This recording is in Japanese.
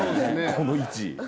この位置。